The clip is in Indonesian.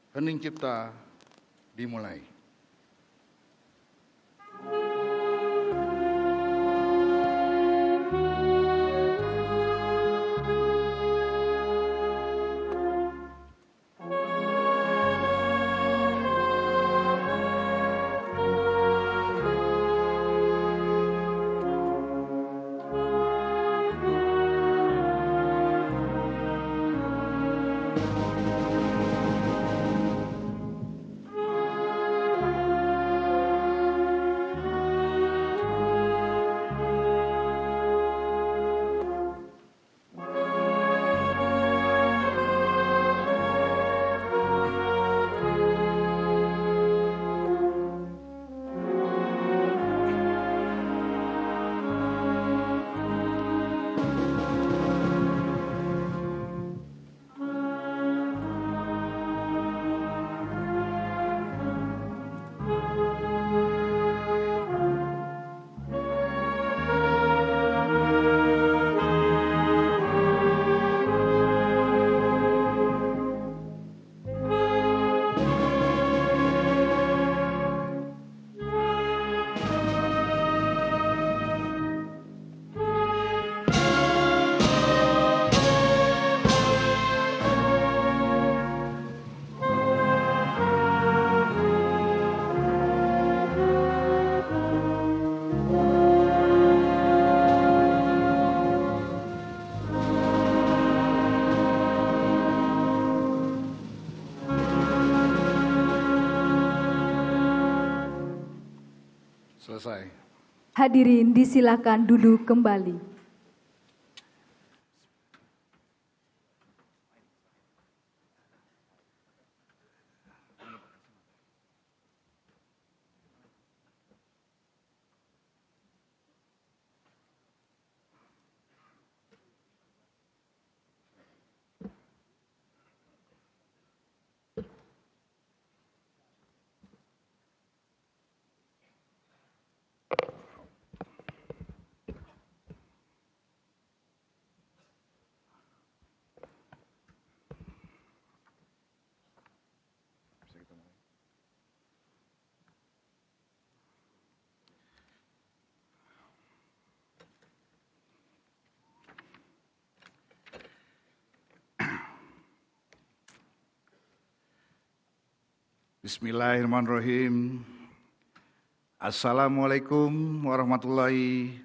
hening cipta dimulai